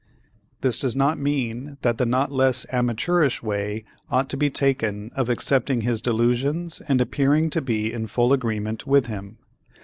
This does not mean that the not less amateurish way ought to be taken of accepting his delusions and appearing to be in full agreement with him.